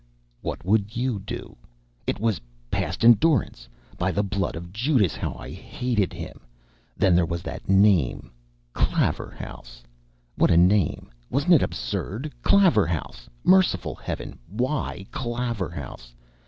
he! Oh! Ho! ho! ho!" What would you? It was past endurance. By the blood of Judas, how I hated him! Then there was that name—Claverhouse! What a name! Wasn't it absurd? Claverhouse! Merciful heaven, WHY Claverhouse?